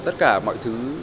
tất cả mọi thứ